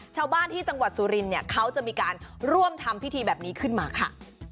ชาวบ้านที่จังหวัดสุรินเนี่ยเขาจะมีการร่วมทำพิธีแบบนี้ขึ้นมาค่ะ